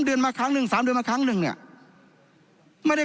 เดือนมาครั้งหนึ่ง๓เดือนมาครั้งหนึ่งเนี่ยไม่ได้